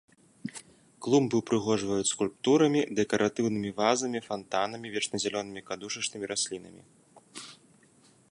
Клумбы ўпрыгожваюць скульптурамі, дэкаратыўнымі вазамі, фантанамі, вечназялёнымі кадушачнымі раслінамі.